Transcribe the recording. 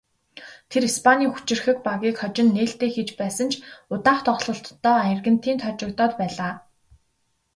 Тэд Испанийн хүчирхэг багийг хожин нээлтээ хийж байсан ч удаах тоглолтдоо Аргентинд хожигдоод байлаа.